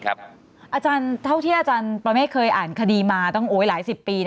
อาจารย์เท่าที่อาจารย์ประเมฆเคยอ่านคดีมาตั้งหลายสิบปี